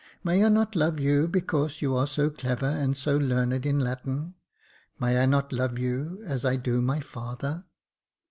May I not love you because you are so clever, and so learned in Latin .'' May I not love you as I do my father